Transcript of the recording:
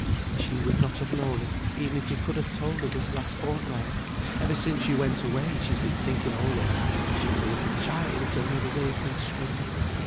"She would not have known it, even if you could have told her this last fortnight, ever since you went away she's been thinking always that she was a little child at her mother's apron string.